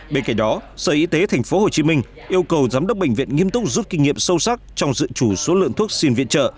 bên cạnh đó sở y tế tp hcm yêu cầu giám đốc bệnh viện nghiêm túc rút kinh nghiệm sâu sắc trong dự chủ số lượng thuốc xin viện trợ